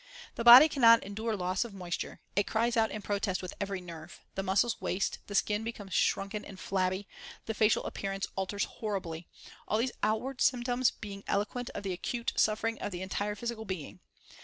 The body cannot endure loss of moisture. It cries out in protest with every nerve. The muscles waste, the skin becomes shrunken and flabby, the facial appearance alters horribly, all these outward symptoms being eloquent of the acute suffering of the entire physical being.